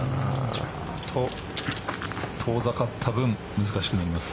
ちょっと遠ざかった分難しくなります。